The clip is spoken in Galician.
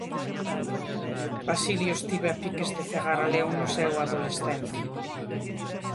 Basilio estivo a piques de cegar a León no seu adolescencia.